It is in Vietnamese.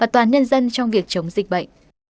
trong việc chống dịch bệnh